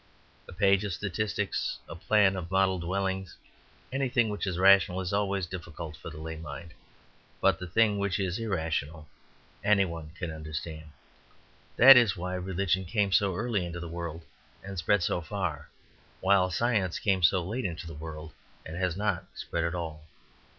A page of statistics, a plan of model dwellings, anything which is rational, is always difficult for the lay mind. But the thing which is irrational any one can understand. That is why religion came so early into the world and spread so far, while science came so late into the world and has not spread at all.